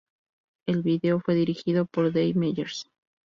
El video fue dirigido por Dave Meyers.